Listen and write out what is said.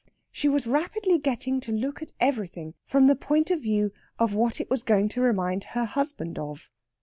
She was rapidly getting to look at everything from the point of view of what it was going to remind her husband of.